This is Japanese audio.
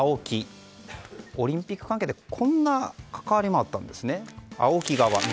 オリンピック関係でこんな関わりもあったんですね。